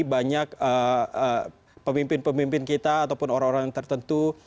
jadi banyak pemimpin pemimpin kita ataupun orang orang tertentu